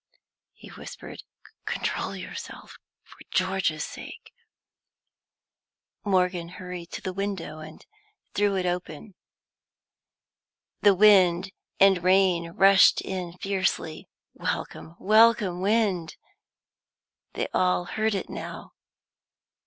he whispered, "control yourself, for George's sake." Morgan hurried to the window and threw it wide open. The wind and rain rushed in fiercely. Welcome, welcome wind! They all heard it now.